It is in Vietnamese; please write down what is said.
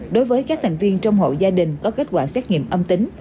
đối với các thành viên trong hội gia đình có kết quả xét nghiệm âm tính